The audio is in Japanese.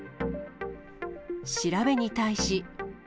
調べに対し。